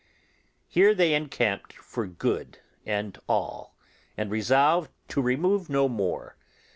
Here they encamped for good and all, and resolved to remove no more.